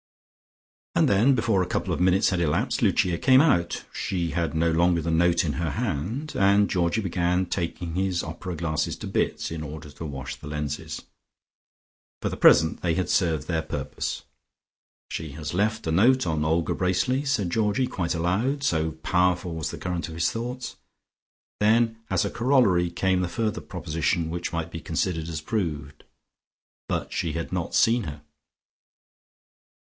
And then, before a couple of minutes had elapsed Lucia came out. She had no longer the note in her hand, and Georgie began taking his opera glasses to bits, in order to wash the lenses. For the present they had served their purpose. "She has left a note on Olga Bracely," said Georgie quite aloud, so powerful was the current of his thoughts. Then as a corollary came the further proposition which might be considered as proved, "But she had not seen her."